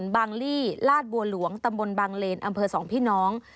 บางรีลาดบัวหลวงตระมวลบางเลรคอำเคราะห์สองพี่น้อง